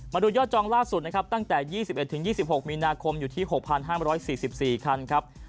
ยอดจองล่าสุดนะครับตั้งแต่๒๑๒๖มีนาคมอยู่ที่๖๕๔๔คันครับ